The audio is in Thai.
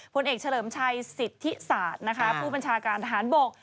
ผลเอกเฉลิมชัยสิทธิศาสตร์นะคะผู้บัญชาการทหารบก